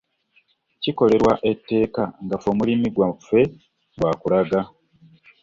Kikolerwa etteeka nga ffe omulimu gwaffe gwa kulaga.